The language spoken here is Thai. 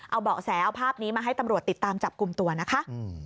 เอาเบาะแสเอาภาพนี้มาให้ตำรวจติดตามจับกลุ่มตัวนะคะ